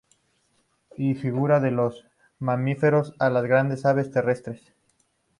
Y fuera de los mamíferos, a las grandes aves terrestres.